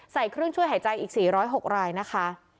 ใส่เครื่องช่วยหายใจอีก๔๐๖รายนะคะ